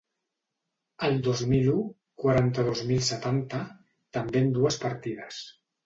El dos mil u, quaranta-dos mil setanta, també en dues partides.